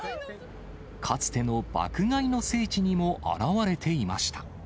かつての爆買いの聖地にも表れていました。